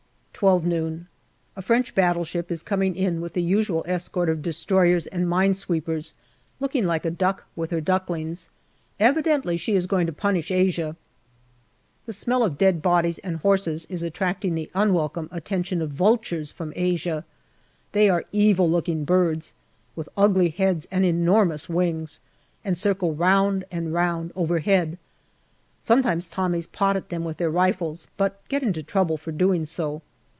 12 noon. A French battleship is coming in with the usual escort of destroyers and mine sweepers, looking like a duck with her ducklings. Evidently she is going to punish Asia. 152 GALLIPOLI DIARY The smell of dead bodies and horses is attracting the unwelcome attentions of vultures from Asia. They are evil looking birds, with ugly heads and enormous wings, and circle round and round overhead. Sometimes Tommies pot at them with their rifles, but get into trouble for doing so.